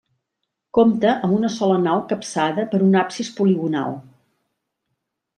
Compta amb una sola nau capçada per un absis poligonal.